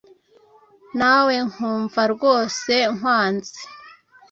Nawe nkumva rwose nkwanze